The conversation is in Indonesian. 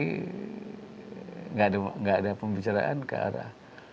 tidak ada pembicaraan ke arah